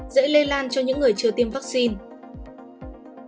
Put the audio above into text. dễ lê lan cho những người chưa tiêm vaccine